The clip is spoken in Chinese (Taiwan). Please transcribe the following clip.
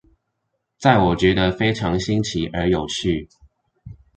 在我覺得非常新奇而有趣